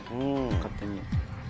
勝手に。